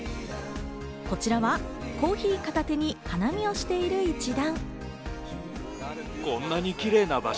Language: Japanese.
こちらはコーヒー片手に花見をしている一団。